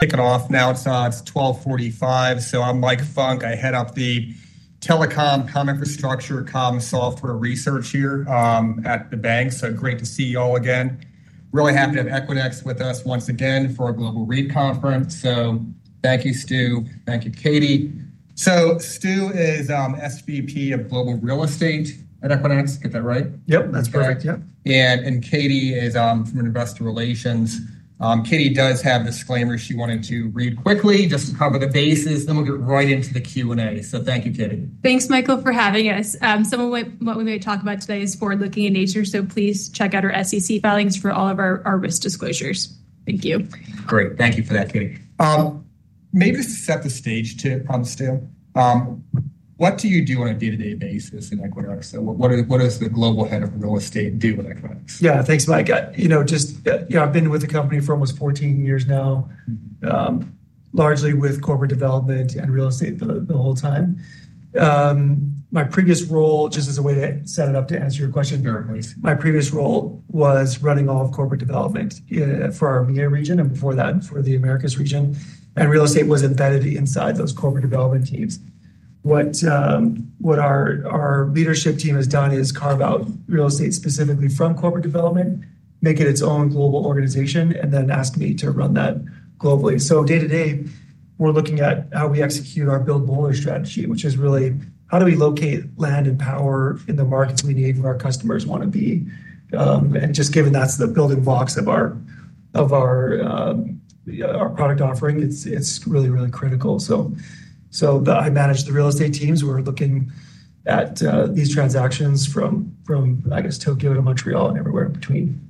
Kicking off now. It's 12:45 P.M. I'm Mike Funk. I head up the telecom infrastructure software research here at the bank. Great to see you all again. Really happy to have Equinix with us once again for our Global Read Conference. Thank you, Steve. Thank you, Katie. Steve is Senior Vice President of Global Real Estate at Equinix. Get that right? Yep, that's correct. Katie is from Investor Relations. Katie does have a disclaimer she wanted to read quickly just to cover the bases, then we'll get right into the Q&A. Thank you, Katie. Thanks, Michael, for having us. Some of what we may talk about today is forward-looking in nature. Please check out our SEC filings for all of our risk disclosures. Thank you. Great. Thank you for that, Katie. Maybe to set the stage, Steve, what do you do on a day-to-day basis in Equinix? What does the Global Head of Real Estate do in Equinix? Yeah, thanks, Mike. You know, I've been with the company for almost 14 years now, largely with Corporate Development and Real Estate the whole time. My previous role, just as a way to set it up to answer your question, my previous role was running all of Corporate Development for our MEA region and before that for the Americas region. Real Estate was embedded inside those Corporate Development teams. What our leadership team has done is carve out Real Estate specifically from Corporate Development, make it its own global organization, and then ask me to run that globally. Day to day, we're looking at how we execute our build bolder strategy, which is really how do we locate land and power in the markets we need and our customers want to be. Given that's the building blocks of our product offering, it's really, really critical. I manage the Real Estate teams. We're looking at these transactions from, I guess, Tokyo to Montreal and everywhere in between.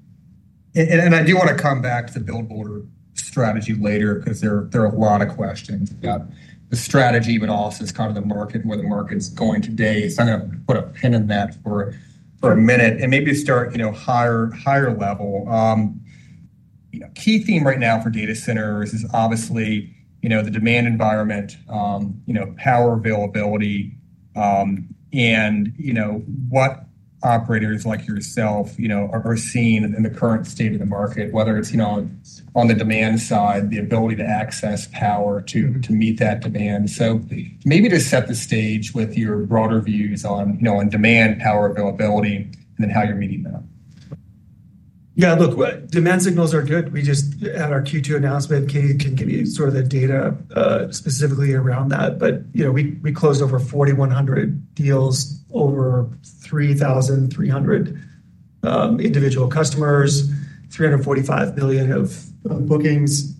I do want to come back to the build bolder strategy later because there are a lot of questions about the strategy, but also it's kind of the market, where the market's going today. I'm going to put a pin in that for a minute and maybe start, you know, higher level. Key theme right now for data centers is obviously, you know, the demand environment, power availability, and what operators like yourself are seeing in the current state of the market, whether it's on the demand side, the ability to access power to meet that demand. Maybe to set the stage with your broader views on demand, power availability, and then how you're meeting that. Yeah, look, demand signals are good. We just had our Q2 announcement. Katie can give you sort of the data, specifically around that. You know, we closed over 4,100 deals, over 3,300 individual customers, $345 million of bookings.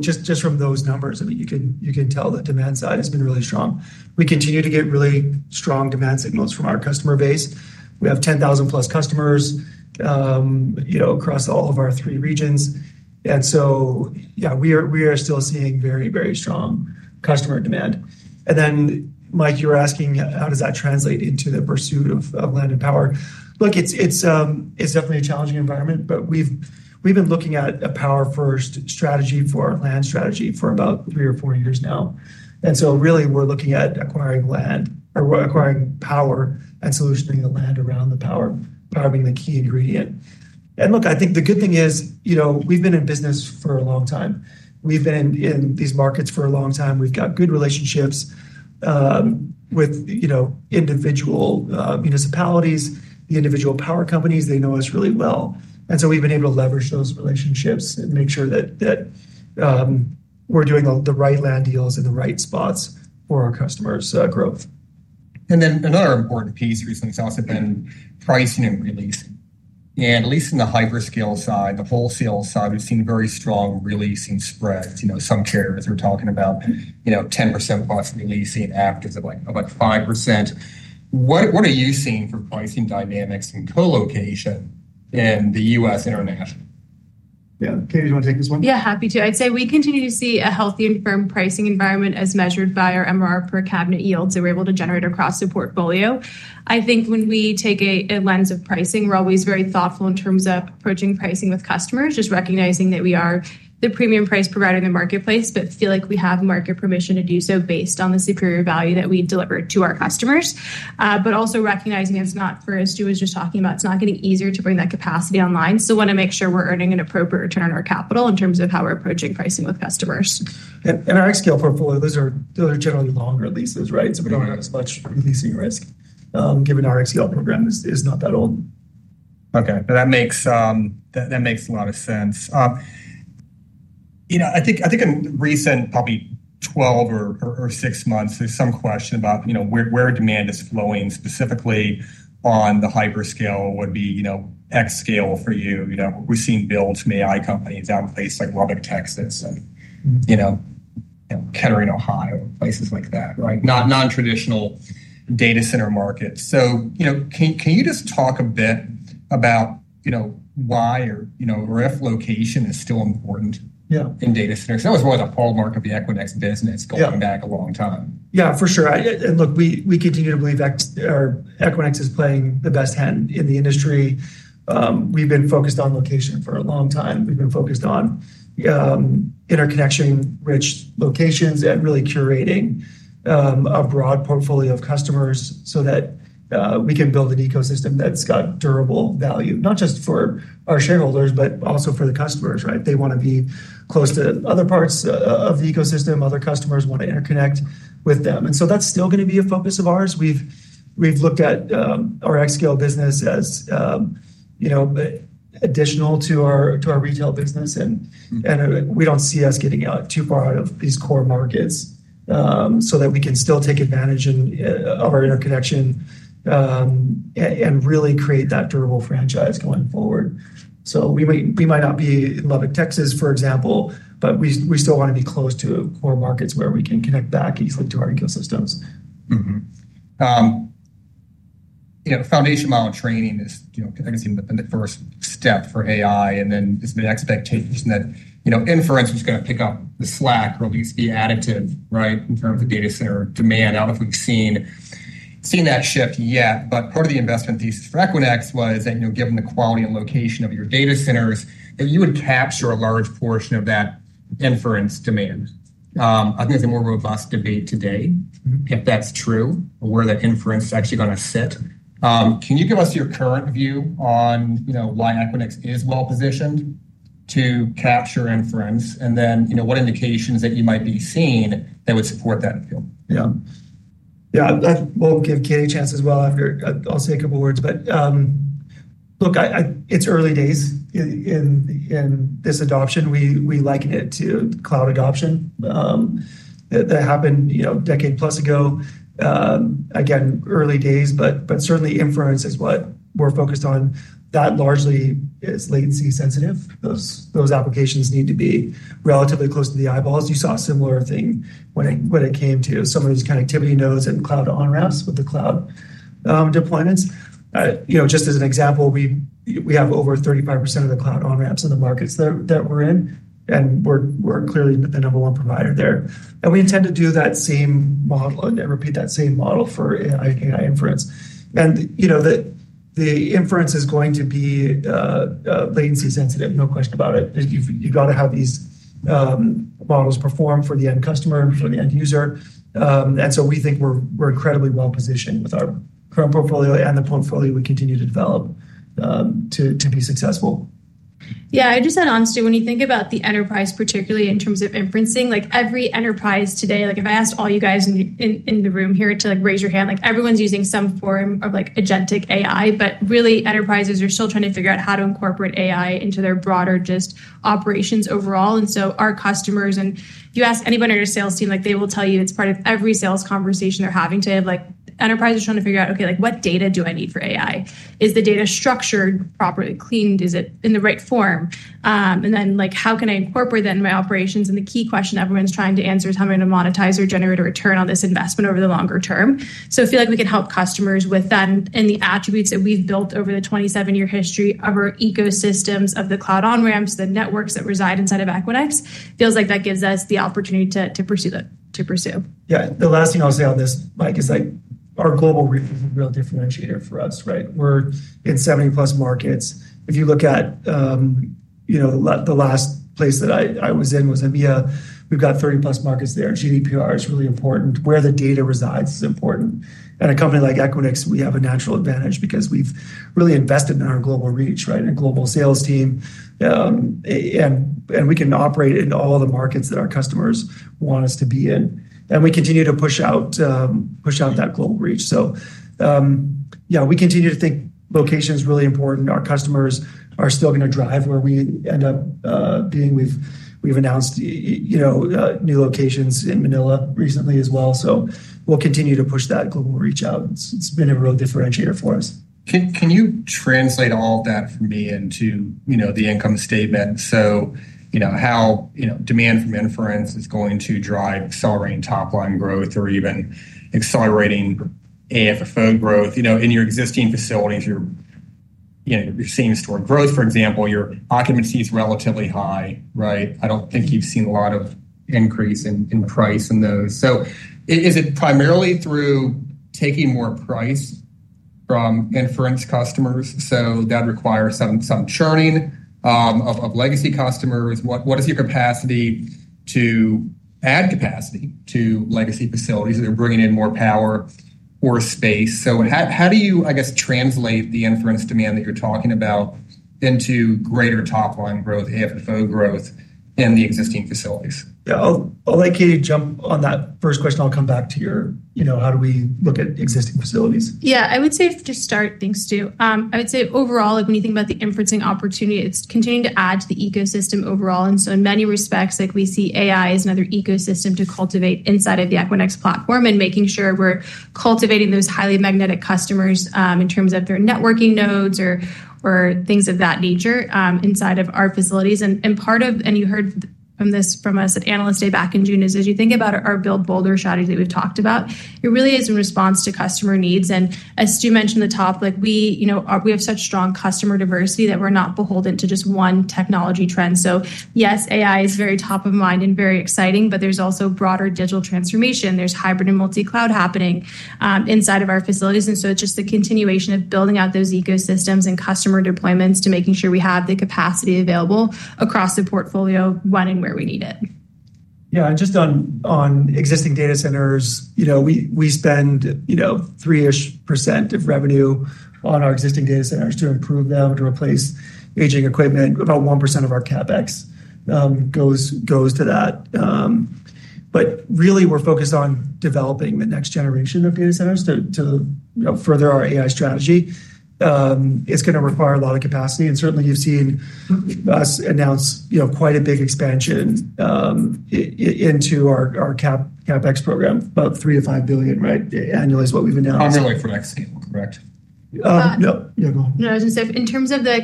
Just from those numbers, you can tell the demand side has been really strong. We continue to get really strong demand signals from our customer base. We have 10,000 plus customers across all of our three regions. Yeah, we are still seeing very, very strong customer demand. Mike, you were asking, how does that translate into the pursuit of land and power? Look, it's definitely a challenging environment, but we've been looking at a power-first strategy for our land strategy for about three or four years now. Really, we're looking at acquiring land or acquiring power and solutioning the land around the power, power being the key ingredient. I think the good thing is, we've been in business for a long time. We've been in these markets for a long time. We've got good relationships with individual municipalities, the individual power companies. They know us really well. We've been able to leverage those relationships and make sure that we're doing the right land deals in the right spots for our customers' growth. Another important piece recently has also been pricing and releasing. At least in the hyperscale side, the wholesale side, we've seen a very strong releasing spread. Some carriers are talking about 10%+ releasing after like about 5%. What are you seeing for pricing dynamics and colocation in the U.S. and international? Yeah, Katie, do you want to take this one? Yeah, happy to. I'd say we continue to see a healthy and firm pricing environment as measured by our MRR per cabinet yields that we're able to generate across the portfolio. I think when we take a lens of pricing, we're always very thoughtful in terms of approaching pricing with customers, just recognizing that we are the premium price provider in the marketplace, and feel like we have market permission to do so based on the superior value that we deliver to our customers. Also recognizing it's not, as Stu was just talking about, it's not getting easier to bring that capacity online. I want to make sure we're earning an appropriate return on our capital in terms of how we're approaching pricing with customers. Our xScale portfolios are generally longer leases, right? We don't have as much leasing risk, given our xScale program is not that old. Okay. That makes a lot of sense. I think in recent, probably 12 or 6 months, there's some question about where demand is flowing. Specifically on the hyperscale would be xScale for you. We're seeing builds from AI companies out of places like Lubbock, Texas, and Kettering, Ohio, places like that, right? Non-traditional data center markets. Can you just talk a bit about why or if location is still important, yeah, in data centers? That was one of the hallmarks of the Equinix business going back a long time. Yeah, for sure. Look, we continue to believe that Equinix is playing the best hand in the industry. We've been focused on location for a long time. We've been focused on interconnection-rich locations and really curating a broad portfolio of customers so that we can build an ecosystem that's got durable value, not just for our shareholders, but also for the customers, right? They want to be close to other parts of the ecosystem. Other customers want to interconnect with them. That's still going to be a focus of ours. We've looked at our xScale business as, you know, additional to our retail business. We don't see us getting too far out of these core markets, so that we can still take advantage of our interconnection and really create that durable franchise going forward. We might not be in Lubbock, Texas, for example, but we still want to be close to core markets where we can connect back easily to our ecosystems. Foundation model training is, I guess, the first step for AI, and then it's been an expectation that inference is going to pick up the slack or at least the additive, right, in terms of data center demand. I don't know if we've seen that shift yet, but part of the investment thesis for Equinix was that, given the quality and location of your data centers, you would capture a large portion of that inference demand. I think it's a more robust debate today if that's true, where that inference is actually going to sit. Can you give us your current view on why Equinix is well positioned to capture inference and what indications you might be seeing that would support that view? Yeah, I'll give Katie a chance as well. I'll say a couple of words. Look, it's early days in this adoption. We liken it to cloud adoption that happened, you know, a decade plus ago. Again, early days, but certainly inference is what we're focused on. That largely is latency sensitive. Those applications need to be relatively close to the eyeballs. You saw a similar thing when it came to some of these connectivity nodes and cloud on-ramps with the cloud deployments. Just as an example, we have over 35% of the cloud on-ramps in the markets that we're in, and we're clearly the number one provider there. We intend to do that same model and repeat that same model for AI inference. The inference is going to be latency sensitive, no question about it. You've got to have these models perform for the end customer, for the end user. We think we're incredibly well positioned with our current portfolio and the portfolio we continue to develop to be successful. Yeah, I just said on, Steve, when you think about the enterprise, particularly in terms of inferencing, like every enterprise today, like if I asked all you guys in the room here to raise your hand, like everyone's using some form of agentic AI, but really enterprises are still trying to figure out how to incorporate AI into their broader operations overall. Our customers, and if you ask anybody on your sales team, they will tell you it's part of every sales conversation they're having today of enterprises trying to figure out, okay, what data do I need for AI? Is the data structured, properly cleaned? Is it in the right form? Then how can I incorporate that in my operations? The key question everyone's trying to answer is how am I going to monetize or generate a return on this investment over the longer term? I feel like we can help customers with that and the attributes that we've built over the 27-year history of our ecosystems of the cloud on-ramps, the networks that reside inside of Equinix. Feels like that gives us the opportunity to pursue that. Yeah, the last thing I'll say on this, Mike, is our global reach is a real differentiator for us, right? We're in 70+ markets. If you look at the last place that I was in, it was EMEA. We've got 30+ markets there. GDPR is really important. Where the data resides is important. At a company like Equinix, we have a natural advantage because we've really invested in our global reach and global sales team. We can operate in all of the markets that our customers want us to be in. We continue to push out that global reach. Yeah, we continue to think location is really important. Our customers are still going to drive where we end up being. We've announced new locations in Manila recently as well. We will continue to push that global reach out. It's been a real differentiator for us. Can you translate all of that for me into, you know, the income statement? You know, how demand from inference is going to drive accelerating top line growth or even accelerating AFFO growth in your existing facilities. You're seeing stored growth, for example, your occupancy is relatively high, right? I don't think you've seen a lot of increase in price in those. Is it primarily through taking more price from inference customers? That requires some churning of legacy customers. What is your capacity to add capacity to legacy facilities? Are they bringing in more power or space? How do you, I guess, translate the inference demand that you're talking about into greater top line growth, AFFO growth in the existing facilities? Yeah, I'll let Katie jump on that first question. I'll come back to your, you know, how do we look at existing facilities? Yeah, I would say to start, thanks, Steve. I would say overall, when you think about the inferencing opportunity, it's continuing to add to the ecosystem overall. In many respects, we see AI as another ecosystem to cultivate inside of the Equinix platform and making sure we're cultivating those highly magnetic customers in terms of their networking nodes or things of that nature inside of our facilities. Part of, and you heard this from us at Analyst Day back in June, is as you think about our build bolder strategy that we've talked about, it really is in response to customer needs. As you mentioned at the top, we have such strong customer diversity that we're not beholden to just one technology trend. Yes, AI is very top of mind and very exciting, but there's also broader digital transformation. There's hybrid and multi-cloud happening inside of our facilities. It's just the continuation of building out those ecosystems and customer deployments to making sure we have the capacity available across the portfolio when and where we need it. Yeah, and just on existing data centers, we spend 3% of revenue on our existing data centers to improve them, to replace aging equipment. About 1% of our CapEx goes to that. Really, we're focused on developing the next generation of data centers to further our AI strategy. It's going to require a lot of capacity. Certainly, you've seen us announce quite a big expansion into our CapEx program, about $3 to $5 billion annually is what we've announced. On the electronics scale, correct? No, no, no. In terms of the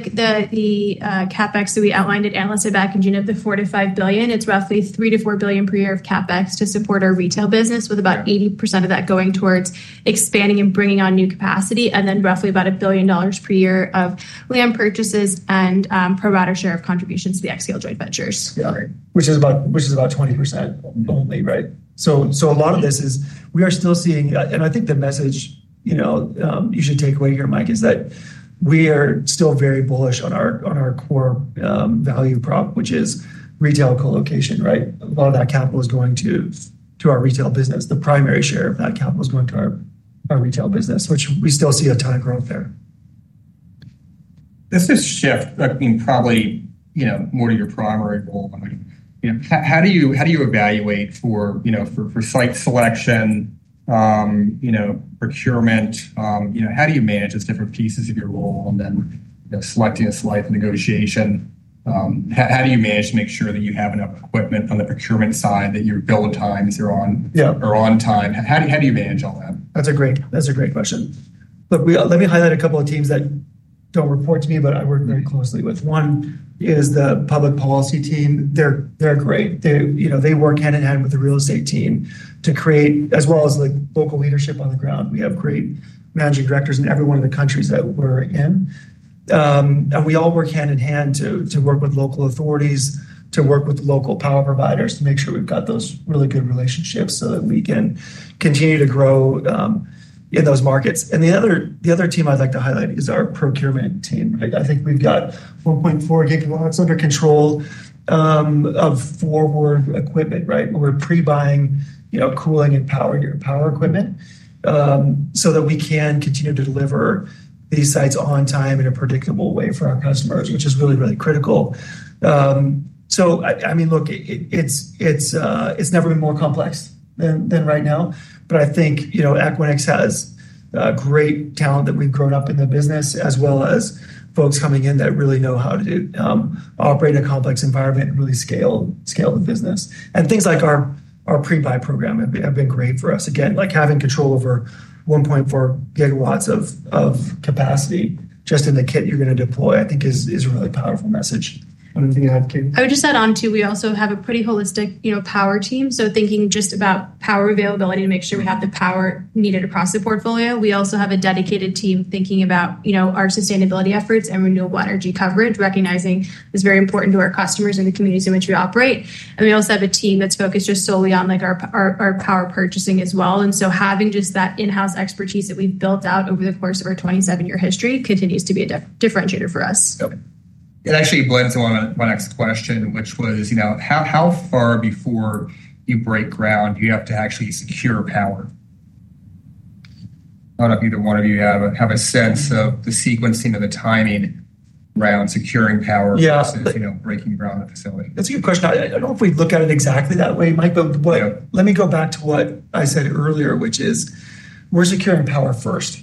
CapEx that we outlined at Analyst Day back in June, of the $4 to $5 billion, it's roughly $3 to $4 billion per year of CapEx to support our retail business, with about 80% of that going towards expanding and bringing on new capacity, and then roughly about $1 billion per year of land purchases and provider share of contributions to the xScale joint ventures. Yeah, which is about 20% only, right? A lot of this is we are still seeing, and I think the message you should take away here, Mike, is that we are still very bullish on our core value prop, which is retail colocation, right? A lot of that capital is going to our retail business. The primary share of that capital is going to our retail business, which we still see a ton of growth there. This is a shift that can probably, you know, more to your primary goal. I mean, you know, how do you evaluate for, you know, for site selection, you know, procurement? How do you manage those different pieces of your role and then, you know, selecting a select negotiation? How do you manage to make sure that you have enough equipment on the procurement side, that your build times are on time? How do you manage all that? That's a great question. Let me highlight a couple of teams that don't report to me, but I work very closely with. One is the public policy team. They're great. They work hand in hand with the real estate team to create, as well as local leadership on the ground. We have great Managing Directors in every one of the countries that we're in. We all work hand in hand to work with local authorities, to work with local power providers, to make sure we've got those really good relationships so that we can continue to grow in those markets. The other team I'd like to highlight is our procurement team. I think we've got 1.4 gigawatts under control of forward equipment. We're pre-buying cooling and power equipment so that we can continue to deliver these sites on time in a predictable way for our customers, which is really, really critical. It's never been more complex than right now. I think Equinix has great talent that we've grown up in the business, as well as folks coming in that really know how to operate a complex environment and really scale the business. Things like our pre-buy program have been great for us. Again, having control over 1.4 gigawatts of capacity just in the kit you're going to deploy, I think is a really powerful message. I would just add on too, we also have a pretty holistic, you know, power team. Thinking just about power availability to make sure we have the power needed across the portfolio, we also have a dedicated team thinking about, you know, our sustainability efforts and renewable energy coverage, recognizing it's very important to our customers and the communities in which we operate. We also have a team that's focused just solely on like our power purchasing as well. Having just that in-house expertise that we've built out over the course of our 27-year history continues to be a differentiator for us. It actually blends in on my next question, which was, you know, how far before you break ground, you have to actually secure power? I don't know if either one of you have a sense of the sequencing of the timing around securing power versus, you know, breaking ground in the facility. That's a good question. I don't know if we look at it exactly that way, Mike, but let me go back to what I said earlier, which is we're securing power first.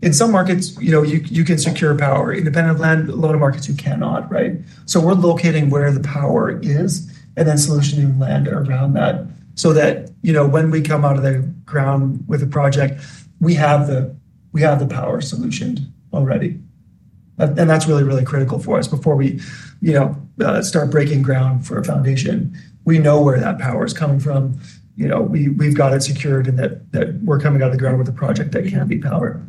In some markets, you know, you can secure power. In the benefit of land, a lot of markets you cannot, right? We're locating where the power is and then solutioning land around that so that, you know, when we come out of the ground with a project, we have the power solutioned already. That's really, really critical for us before we, you know, start breaking ground for a foundation. We know where that power is coming from. We've got it secured and that we're coming out of the ground with a project that can be powered.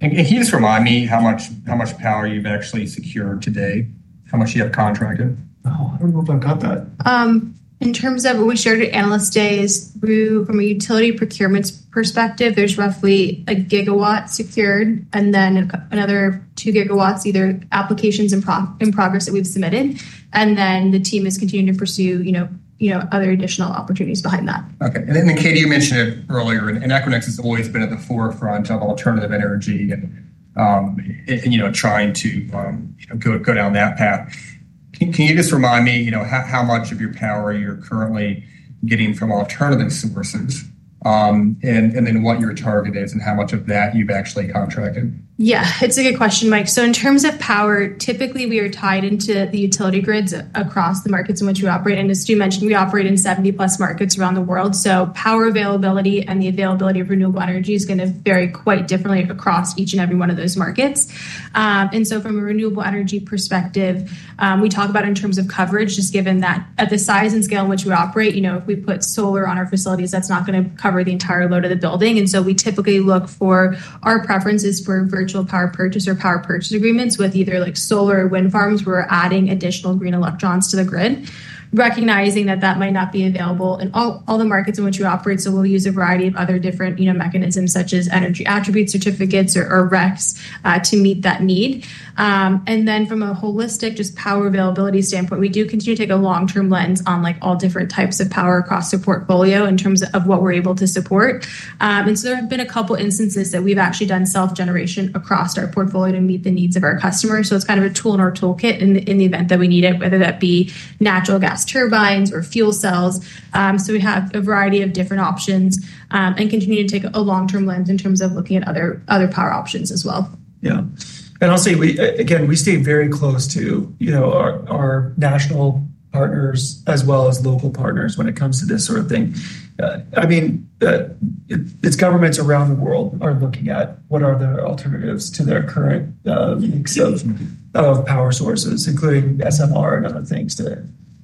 Can you just remind me how much power you've actually secured today? How much you have contracted? I don't know if I've got that. In terms of what we shared at Analyst Day, from a utility procurement perspective, there's roughly a gigawatt secured, and then another two gigawatts are either applications in progress that we've submitted. The team is continuing to pursue other additional opportunities behind that. Okay. Katie, you mentioned earlier in Equinix that's always been at the forefront of alternative energy and trying to go down that path. Can you just remind me how much of your power you're currently getting from alternative sources, what your target is, and how much of that you've actually contracted? Yeah, it's a good question, Mike. In terms of power, typically we are tied into the utility grids across the markets in which we operate. As you mentioned, we operate in 70+ markets around the world. Power availability and the availability of renewable energy is going to vary quite differently across each and every one of those markets. From a renewable energy perspective, we talk about it in terms of coverage, just given that at the size and scale in which we operate, you know, if we put solar on our facilities, that's not going to cover the entire load of the building. We typically look for our preference for virtual power purchase or power purchase agreements with either solar or wind farms where we're adding additional green electrons to the grid, recognizing that that might not be available in all the markets in which we operate. We'll use a variety of other different mechanisms such as energy attribute certificates or REFs to meet that need. From a holistic power availability standpoint, we do continue to take a long-term lens on all different types of power across the portfolio in terms of what we're able to support. There have been a couple of instances that we've actually done self-generation across our portfolio to meet the needs of our customers. It's kind of a tool in our toolkit in the event that we need it, whether that be natural gas turbines or fuel cells. We have a variety of different options and continue to take a long-term lens in terms of looking at other power options as well. Yeah. I'll say, again, we stay very close to our national partners as well as local partners when it comes to this sort of thing. Governments around the world are looking at what are the alternatives to their current needs of power sources, including SMRs and other things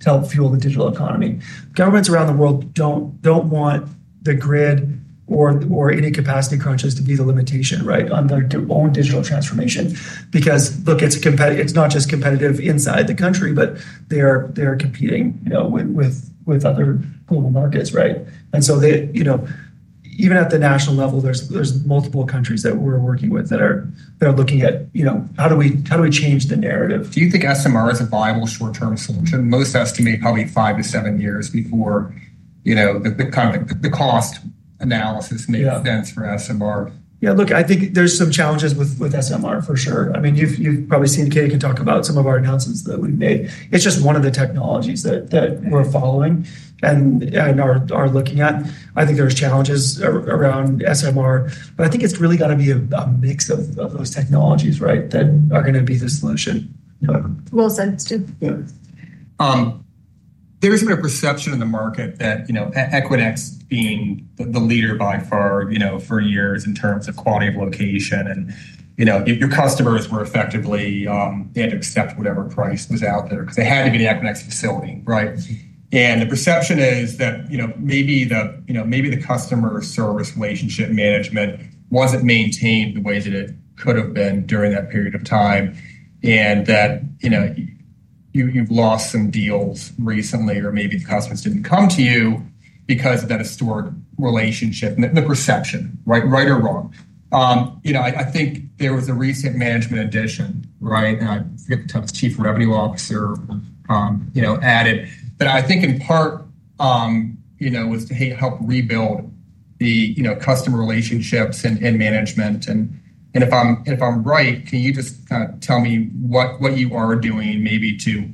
to help fuel the digital economy. Governments around the world don't want the grid or inner capacity crunches to be the limitation on their own digital transformation. It's not just competitive inside the country, but they're competing with other global markets, right? Even at the national level, there's multiple countries that we're working with that are looking at how do we change the narrative? Do you think SMRs is a viable short-term solution? Most estimate probably five to seven years before, you know, the kind of the cost analysis makes sense for SMRs. Yeah, look, I think there's some challenges with SMRs for sure. I mean, you've probably seen Katie talk about some of our announcements that we've made. It's just one of the technologies that we're following and are looking at. I think there's challenges around SMRs, but I think it's really got to be a mix of those technologies, right, that are going to be the solution. Said, Steve. There's been a perception in the market that Equinix, being the leader by far for years in terms of quality of location, and your customers were effectively able to accept whatever price was out there because they had to be in an Equinix facility, right? The perception is that maybe the customer service relationship management wasn't maintained the way that it could have been during that period of time and that you've lost some deals recently or maybe the customers didn't come to you because of that historic relationship and the perception, right or wrong. I think there was a recent management addition, right? I forget the top Chief Revenue Officer added, but I think in part it was to help rebuild the customer relationships and management. If I'm right, can you just tell me what you are doing maybe to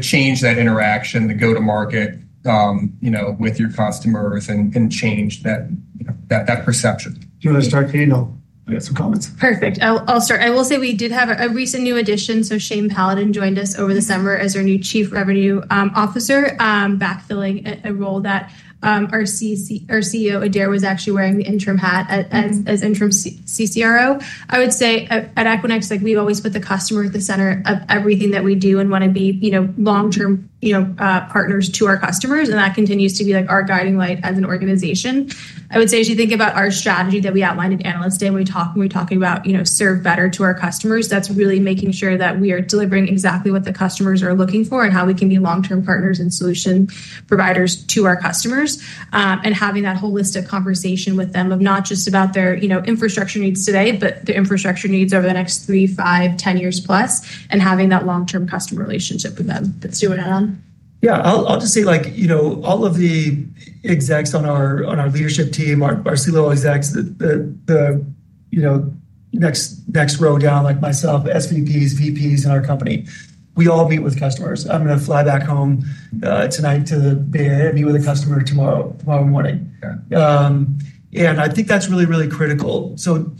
change that interaction, the go-to-market with your customers, and change that perception? Do you want to start, Katie? I'll get some comments. Perfect. I'll start. I will say we did have a recent new addition, so Shane Paladin joined us over the summer as our new Chief Revenue Officer, backfilling a role that our CEO, Adaire Fox-Martin, was actually wearing the interim hat as interim CCRO. I would say at Equinix, we've always put the customer at the center of everything that we do and want to be, you know, long-term partners to our customers. That continues to be our guiding light as an organization. I would say as you think about our strategy that we outlined at Analyst Day, when we talk, we're talking about, you know, serve better to our customers. That's really making sure that we are delivering exactly what the customers are looking for and how we can be long-term partners and solution providers to our customers and having that holistic conversation with them of not just about their infrastructure needs today, but their infrastructure needs over the next three, five, ten years plus and having that long-term customer relationship with them. Steve, do you want to add on? Yeah, I'll just say, all of the execs on our leadership team, our C-level execs, the next row down, like myself, Senior Vice Presidents, Vice Presidents in our company, we all meet with customers. I'm going to fly back home tonight to meet with a customer tomorrow morning. I think that's really, really critical.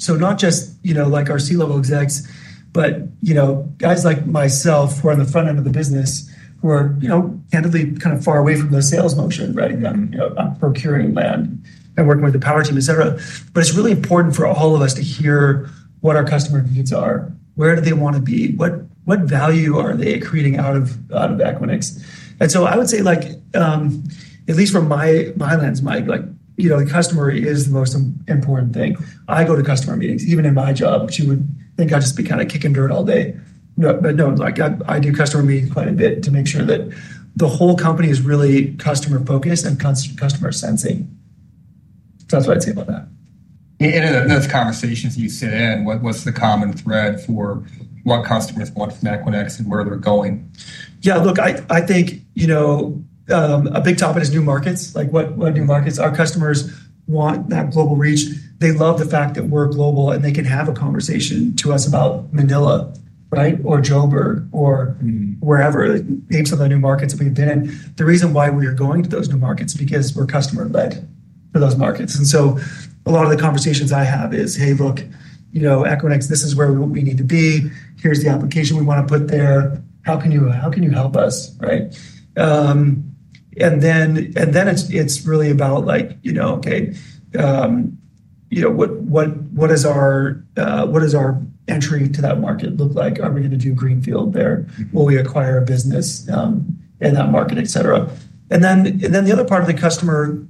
Not just our C-level execs, but guys like myself who are on the front end of the business, who are, candidly, kind of far away from the sales motion, right? You know, procuring land and working with the power team, et cetera. It's really important for all of us to hear what our customer needs are. Where do they want to be? What value are they creating out of Equinix? I would say, at least from my lens, Mike, the customer is the most important thing. I go to customer meetings, even in my job, because you would think I'd just be kind of kicking dirt all day. No, I do customer meetings quite a bit to make sure that the whole company is really customer-focused and customer-sensing. That's what I'd say about that. In those conversations you sit in, what's the common thread for what customers want from Equinix and where they're going? Yeah, look, I think a big topic is new markets. Like what new markets our customers want, that global reach. They love the fact that we're global and they can have a conversation to us about Manila, right? Or Joburg or wherever, names of the new markets that we've been in. The reason why we are going to those new markets is because we're customer-led for those markets. A lot of the conversations I have is, hey, look, you know, Equinix, this is where we need to be. Here's the application we want to put there. How can you help us? It's really about like, you know, hey, you know, what does our entry to that market look like? Are we going to do greenfield there? Will we acquire a business in that market, etc.? The other part of the customer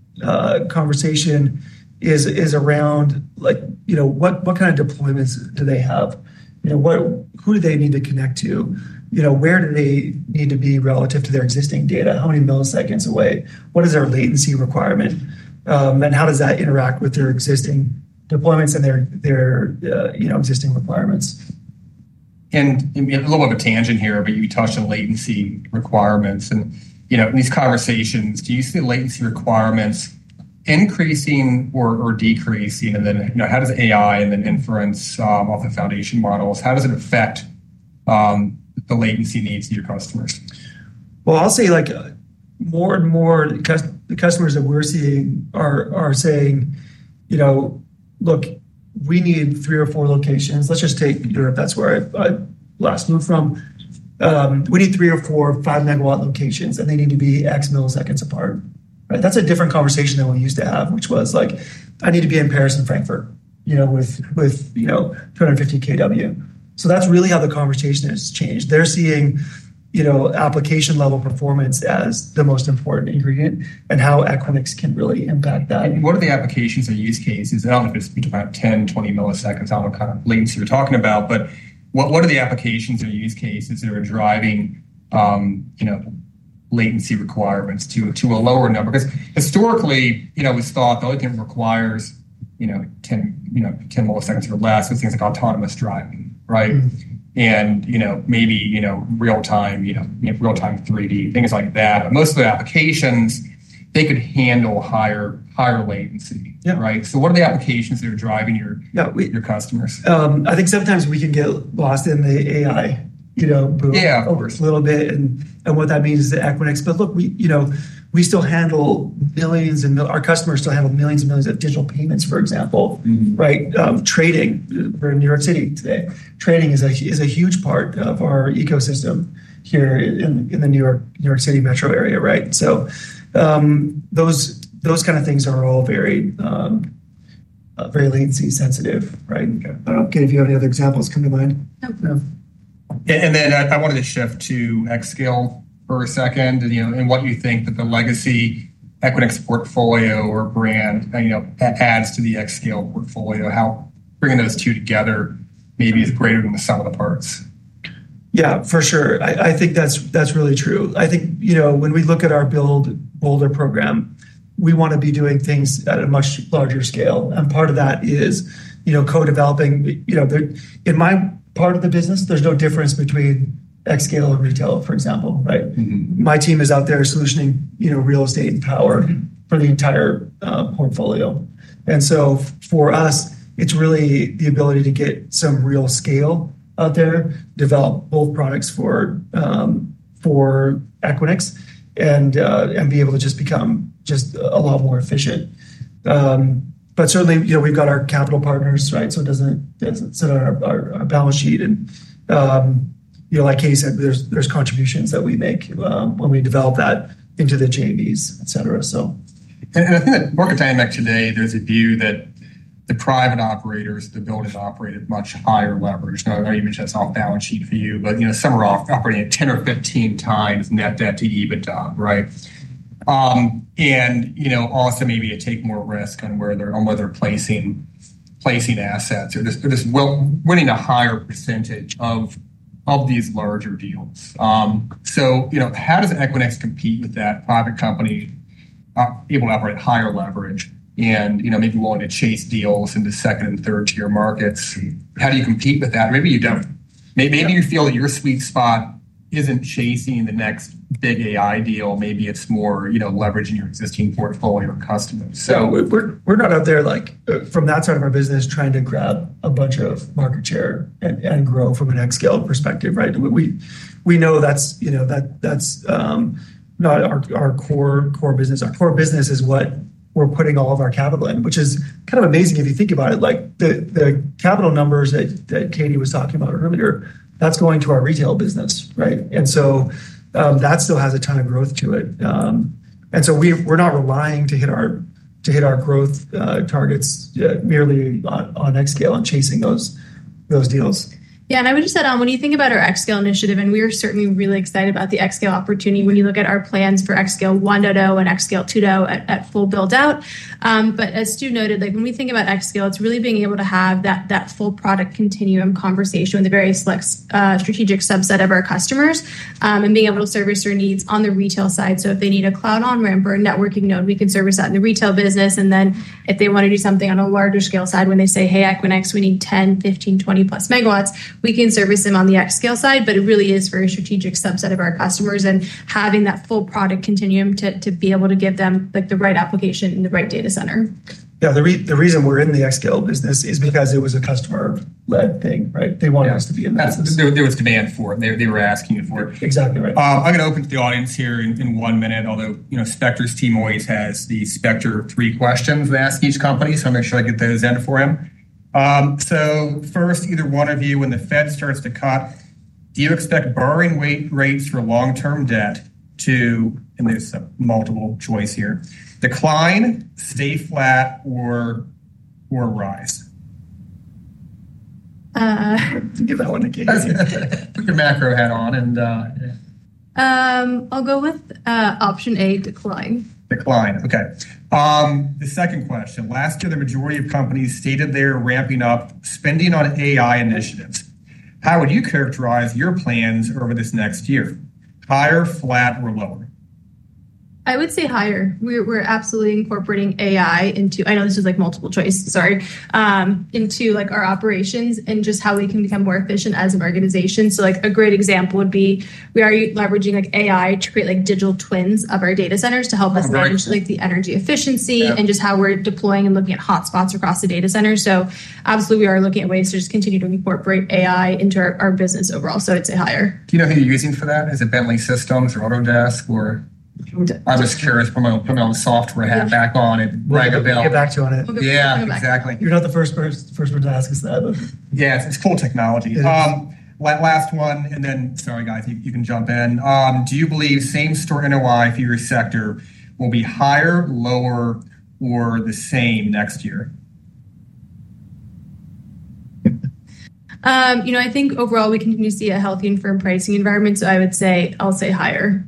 conversation is around like, you know, what kind of deployments do they have? Who do they need to connect to? Where do they need to be relative to their existing data? How many milliseconds away? What is their latency requirement? How does that interact with their existing deployments and their existing requirements? You touched on latency requirements. In these conversations, do you see latency requirements increasing or decreasing? How does AI and inference off the foundation models affect the latency needs of your customers? More and more customers that we're seeing are saying, you know, look, we need three or four locations. Let's just take Europe. That's where I last moved from. We need three or four 5 megawatt locations, and they need to be X milliseconds apart. That's a different conversation than we used to have, which was like, I need to be in Paris and Frankfurt, you know, with 250 kW. That's really how the conversation has changed. They're seeing, you know, application level performance as the most important ingredient and how Equinix can really impact that. What are the applications or use cases? I don't know if it's about 10, 20 milliseconds on what kind of latency you're talking about, but what are the applications or use cases that are driving latency requirements to a lower number? Historically, we saw that everything requires 10 milliseconds or less, which seems like autonomous driving, right? Maybe real-time 3D, things like that. Most of the applications could handle higher latency, right? What are the applications that are driving your customers? I think sometimes we can get lost in the AI boom a little bit and what that means to Equinix. Look, we still handle millions and our customers still handle millions and millions of digital payments, for example, right? Trading for New York City today is a huge part of our ecosystem here in the New York City metro area, right? Those kind of things are all very, very latency sensitive, right? I don't get if you have any other examples coming to mind. I wanted to shift to xScale for a second and what you think that the legacy Equinix portfolio or brand adds to the xScale portfolio, how bringing those two together maybe is greater than the sum of the parts. Yeah, for sure. I think that's really true. I think, you know, when we look at our build bolder program, we want to be doing things at a much larger scale. Part of that is, you know, co-developing. In my part of the business, there's no difference between xScale and retail, for example, right? My team is out there solutioning real estate and power for the entire portfolio. For us, it's really the ability to get some real scale out there, develop full products for Equinix, and be able to just become just a lot more efficient. Certainly, we've got our capital partners, right? It doesn't sit on our balance sheet. You know, like Katie said, there's contributions that we make when we develop that into the JVs, et cetera. I think in the market dynamic today, there's a view that the private operators build and operate at much higher levels. Even just off balance sheet for you, but, you know, some are operating at 10 or 15 times net debt to EBITDA, right? Also, maybe to take more risk on where they're placing assets. It is winning a higher % of these larger deals. How does Equinix compete with that private company able to operate at higher leverage and, you know, maybe wanting to chase deals in the second and third-tier markets? How do you compete with that? Maybe you don't. Maybe you feel your sweet spot isn't chasing the next big AI deal. Maybe it's more, you know, leveraging your existing portfolio of customers. We're not out there from that side of our business trying to grab a bunch of market share and grow from an xScale perspective, right? We know that's not our core business. Our core business is what we're putting all of our capital in, which is kind of amazing if you think about it. The capital numbers that Katie was talking about earlier, that's going to our retail business, right? That still has a ton of growth to it. We're not relying to hit our growth targets nearly on xScale and chasing those deals. Yeah, and I would just add on when you think about our xScale initiative, and we are certainly really excited about the xScale opportunity when you look at our plans for xScale 1.0 and xScale 2.0 at full build-out. As Stu noted, when we think about xScale, it's really being able to have that full product continuum conversation with the various strategic subset of our customers and being able to service their needs on the retail side. If they need a cloud on-ramp or a networking node, we can service that in the retail business. If they want to do something on a larger scale side, when they say, "Hey, Equinix, we need 10, 15, 20 plus megawatts," we can service them on the xScale side. It really is for a strategic subset of our customers and having that full product continuum to be able to give them the right application in the right data center. Yeah, the reason we're in the xScale business is because it was a customer-led thing, right? They wanted us to be in that. There was demand for them. They were asking for it. Exactly. I'm going to open to the audience here in one minute, although, you know, Spector's team always has the Spector three questions they ask each company. I'll make sure I get those in for him. First, either one of you, when the Fed starts to cut, do you expect borrowing rates for long-term debt to, and there's multiple choice here, decline, stay flat, or rise? I have to give that one to Katie. Put your macro hat on. I'll go with option A, decline. Decline, okay. The second question, last year, the majority of companies stated they're ramping up spending on AI initiatives. How would you characterize your plans over this next year? Higher, flat, or lower? I would say higher. We're absolutely incorporating AI into our operations and just how we can become more efficient as an organization. A great example would be we are leveraging AI to create digital twins of our data centers to help us manage the energy efficiency and how we're deploying and looking at hotspots across the data center. We are looking at ways to continue to incorporate AI into our business overall. I'd say higher. Do you know who you're using for that? Is it Bentley Systems or Autodesk? I'm just curious. Put me on the software hat back on, right. I'll get back to you on it. Yeah, exactly. You're not the first person to ask us that. Yeah, it's full technology. Last one, and then sorry guys, you can jump in. Do you believe same story in OI for your sector will be higher, lower, or the same next year? I think overall we continue to see a healthy and firm pricing environment. I would say, I'll say higher.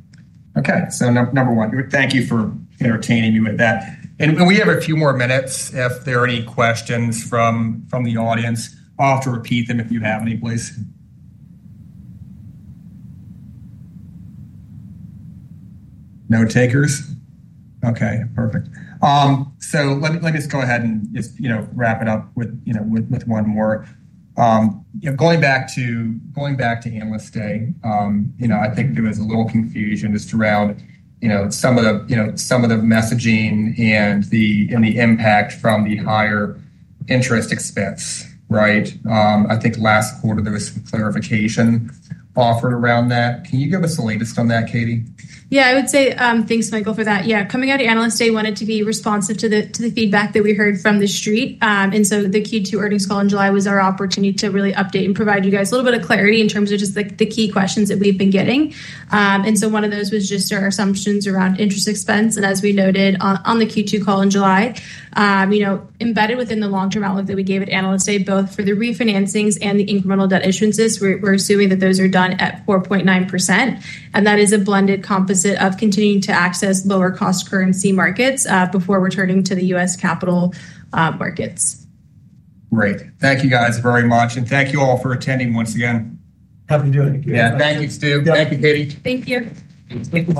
Okay, so number one. Thank you for entertaining me with that. We have a few more minutes. If there are any questions from the audience, I'll have to repeat them if you have any, please. No takers? Okay, perfect. Let me just go ahead and wrap it up with one more. Going back to, going back to analysting, I think there was a little confusion just around some of the messaging and the impact from the higher interest expense, right? I think last quarter there was some clarification offered around that. Can you give us the latest on that, Katie? Yeah, I would say thanks, Michael, for that. Coming out of analysts, they wanted to be responsive to the feedback that we heard from the street. The Q2 earnings call in July was our opportunity to really update and provide you guys a little bit of clarity in terms of just the key questions that we've been getting. One of those was just our assumptions around interest expense. As we noted on the Q2 call in July, embedded within the long-term outlook that we gave at analysts, both for the refinancings and the incremental debt issuances, we're assuming that those are done at 4.9%. That is a blended composite of continuing to access lower cost currency markets before returning to the U.S. capital markets. Great. Thank you guys very much. Thank you all for attending once again. Have a good day. Yeah, thank you, Steve. Thank you, Katie. Thank you.